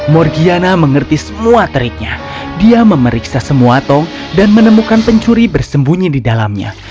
morgiana mengerti semua teriknya dia memeriksa semua tong dan menemukan pencuri bersembunyi di dalamnya